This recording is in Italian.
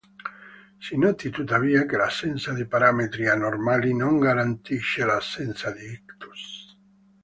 Si noti tuttavia che l'assenza di parametri "anormali" non garantisce l'assenza di ictus.